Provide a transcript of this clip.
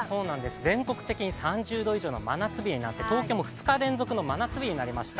全国的に３０度以上の真夏日になって東京も２日連続の真夏日となりました。